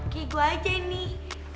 kayak gue aja nih